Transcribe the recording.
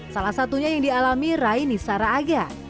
salah satunya yang dialami rai nisara aga